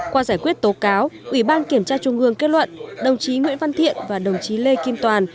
qua giải quyết tố cáo ủy ban kiểm tra trung ương kết luận đồng chí nguyễn văn thiện và đồng chí lê kim toàn